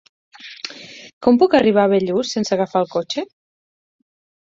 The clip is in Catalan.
Com puc arribar a Bellús sense agafar el cotxe?